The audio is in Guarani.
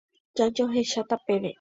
Jajohecha peve.